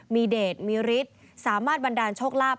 มีเดชมีฤทธิ์สามารถบันดาลโชคลาภ